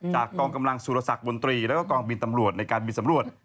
กองกำลังสุรสักบนตรีแล้วก็กองบินตำรวจในการบินสำรวจ